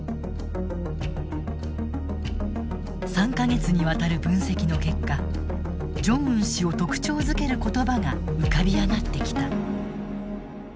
３か月にわたる分析の結果ジョンウン氏を特徴づける言葉が浮かび上がってきた。